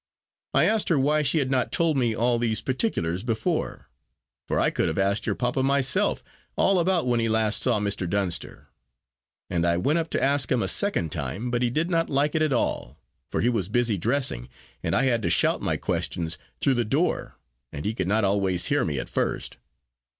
I asked her why she had not told me all these particulars before, for I could have asked your papa myself all about when he last saw Mr. Dunster; and I went up to ask him a second time, but he did not like it at all, for he was busy dressing, and I had to shout my questions through the door, and he could not always hear me at first."